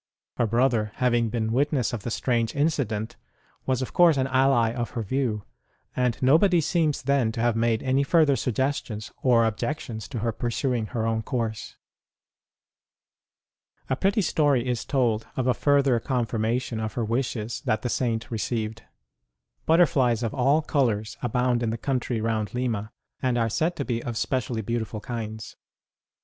Her brother, having been witness of the strange incident, was of course an ally of her view ; and nobody seems then to have made any further sug gestions or objections to her pursuing her own course. A pretty story is told of a further confirmation of her wishes that the Saint received. Butterflies of all colours abound in the country round Lima, and are said to be of specially beautiful kinds.